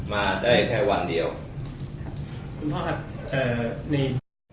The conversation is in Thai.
มาได้แค่วันเดียวคุณพ่อครับเอ่อนี่